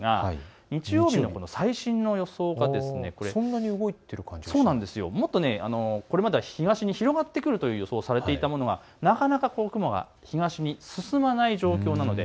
日曜日の最新の予想がもっと東に広がってくると予想されていたものがなかなか雲が東に進まない状況なんです。